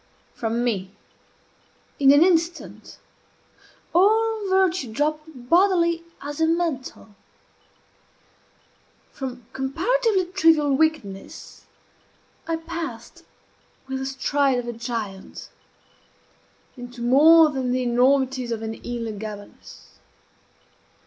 From me, in an instant, all virtue dropped bodily as a mantle. From comparatively trivial wickedness I passed, with the stride of a giant, into more than the enormities of an Elah Gabalus.